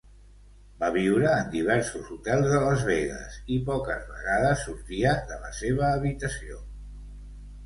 Va viure en diversos hotels de Las Vegas i poques vegades sortia de la seva habitació.